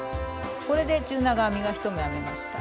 これで中長編みが１目編めました。